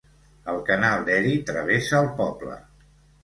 El Canal d'Erie travessa el poble.